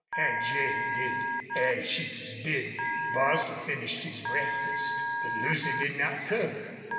Aunt Jane did as she was bidden. Bostil finished his breakfast. But Lucy did not come.